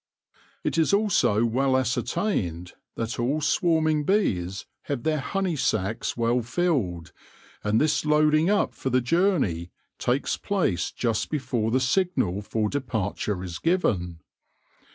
It is also well ascertained that all swarming bees have their honey sacs well filled, and this loading up for the journey takes place just before the signal for departure is given.